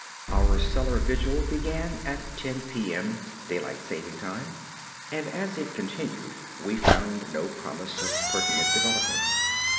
Our cellar vigil began at ten p. m., daylight saving time, and as it continued we found no promise of pertinent developments.